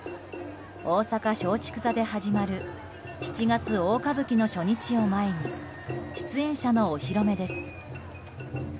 大阪松竹座で始まる「七月大歌舞伎」の初日を前に出演者のお披露目です。